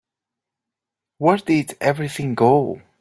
Where did everything go?